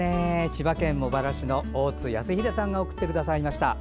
千葉県茂原市の大津泰秀さんが送ってくれました。